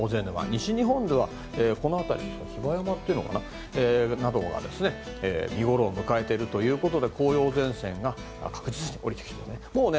西日本では比婆山などが見ごろを迎えているということで紅葉前線が確実に下りてきたと。